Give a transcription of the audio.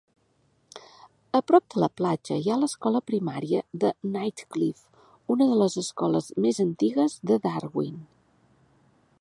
A prop de la platja hi ha l'escola primària de Nightcliff, una de les escoles més antigues de Darwin.